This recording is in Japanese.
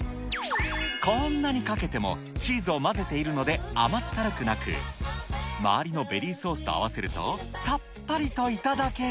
こんなにかけてもチーズを混ぜているので甘ったるくなく、周りのベリーソースと合わせると、さっぱりと頂ける。